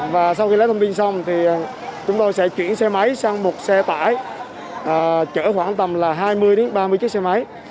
và sau khi lấy thông tin xong thì chúng tôi sẽ chuyển xe máy sang một xe tải chở khoảng tầm là hai mươi ba mươi chiếc xe máy